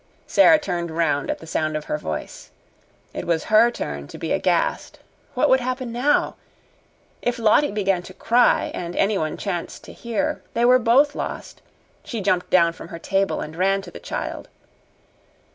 Sara turned round at the sound of her voice. It was her turn to be aghast. What would happen now? If Lottie began to cry and any one chanced to hear, they were both lost. She jumped down from her table and ran to the child.